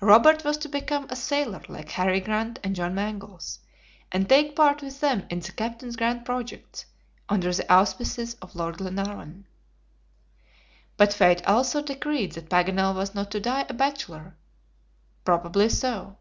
Robert was to become a sailor like Harry Grant and John Mangles, and take part with them in the captain's grand projects, under the auspices of Lord Glenarvan. But fate also decreed that Paganel was not to die a bachelor? Probably so.